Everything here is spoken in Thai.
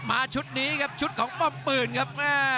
ชุดนี้ครับชุดของปอมปืนครับ